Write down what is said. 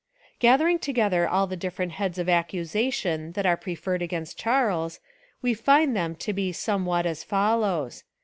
Gathering together all the different heads of 279 Essays and Literary Studies accusation that are preferred against Charles, we find them to be somewhat as follows.